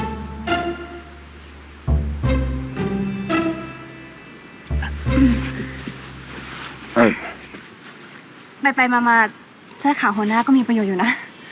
ไปมาเสื้อขาวหัวหน้าก็มีประโยชน์อยู่นะ